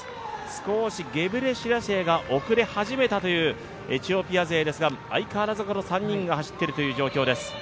少しゲブレシラシエが遅れてきたというエチオピア勢ですが相変わらずこの３人が走っている状況です。